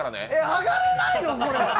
上がれないの、これ。